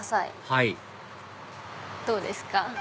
はいどうですか？